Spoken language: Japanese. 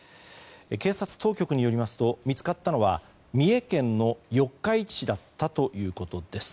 警察当局によりますと見つかったのは、三重県の四日市市だったということです。